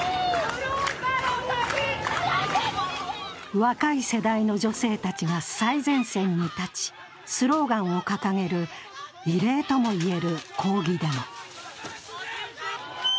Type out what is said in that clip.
若い世代の女性たちが最前線に立ち、スローガンを掲げる異例とも言える抗議デモ。